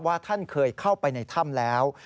ท่านเคยเข้าไปในถ้ำแล้ว